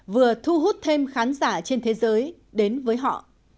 vừa thu hút thêm khán giả trên thế giới đến với họ